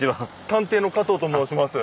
探偵の加藤と申します。